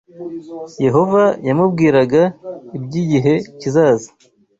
Yehova yamubwiraga iby’igihe kizaza